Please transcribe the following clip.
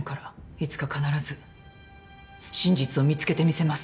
いつか必ず真実を見つけてみせます。